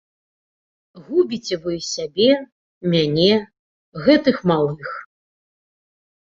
Губіце вы сябе, мяне, гэтых малых.